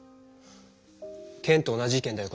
ケンと同じ意見だよ